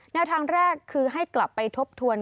แนวทางแรกคือให้กลับไปทบทวน